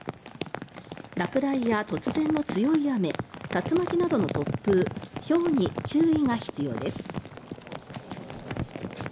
落雷や突然の強い雨竜巻などの突風、ひょうに注意が必要です。